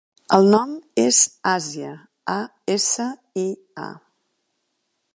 El nom és Asia: a, essa, i, a.